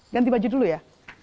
ganti baju dulu ya